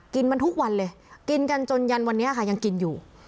กินมันทุกวันเลยกินกันจนยันวันนี้ค่ะยังกินอยู่